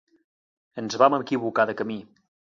Ens vam equivocar de camí.